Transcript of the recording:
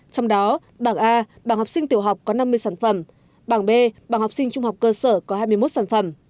trong đó bảng a bảng học sinh tiểu học có năm mươi sản phẩm bảng b bảng học sinh trung học cơ sở có hai mươi một sản phẩm